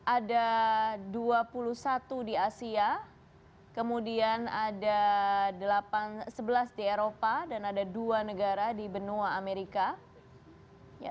ada dua puluh satu di asia kemudian ada sebelas di eropa dan ada dua negara di benua amerika